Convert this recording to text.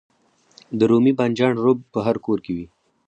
د رومي بانجان رب په هر کور کې وي.